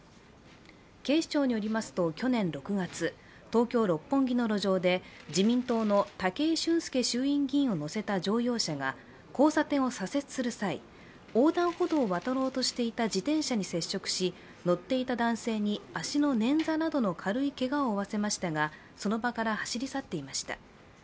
警視庁によりますと去年６月東京・六本木の路上で自民党の武井俊輔衆院議員を乗せた乗用車が交差点を左折する際、横断歩道を渡ろうとしていた自転車に接触し乗っていた男性に足の捻挫などの軽いけがを負わせましたがその場から走り去っていました。